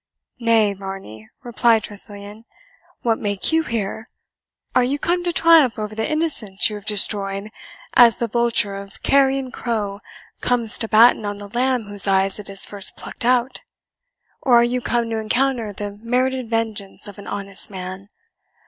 "Nay, Varney," replied Tressilian, "what make you here? Are you come to triumph over the innocence you have destroyed, as the vulture or carrion crow comes to batten on the lamb whose eyes it has first plucked out? Or are you come to encounter the merited vengeance of an honest man?